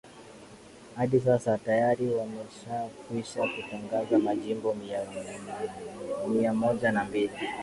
adi sasa tayari yameshakwisha kutangaza majimbo mia moja na mbili